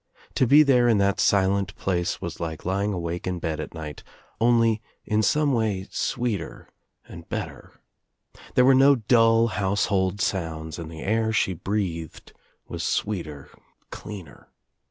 To be there in that silent place was like lying awake in bed at night only in OUT OF NOWHERE INTO NOTHING 233 tome way sweeter and better. There were no dull 1 household sounds and the air she breathed was sweeter, cleaner.